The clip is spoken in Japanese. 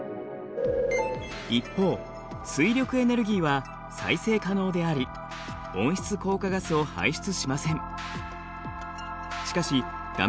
一方水力エネルギーは再生可能であり温室効果ガスを排出しません。